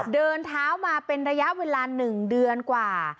เดินเท้ามาเป็นระยะเวลา๑เดือนกว่า